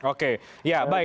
oke ya baik